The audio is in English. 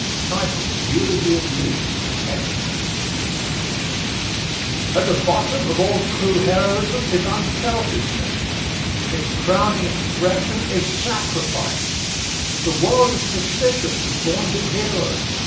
EULOGY OF LEE (Extract) At the bottom of all true heroism is unselfishness. Its crowning expression is sacrifice. The world is suspicious of vaunted heroes.